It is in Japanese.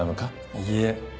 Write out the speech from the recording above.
いいえ。